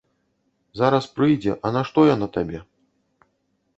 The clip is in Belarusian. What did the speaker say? Зараз прыйдзе, а нашто яна табе?